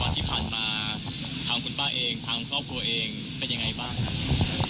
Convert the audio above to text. ตลอด๑๐วันที่ผ่านมาทั้งคุณป้าเองทั้งครอบครัวเองเป็นยังไงบ้าง